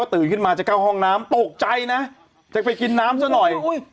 ตื่นขึ้นมาจะเข้าห้องน้ำตกใจนะจะไปกินน้ำซะหน่อย